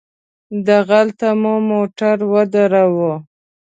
دغلته مو موټر ودراوه.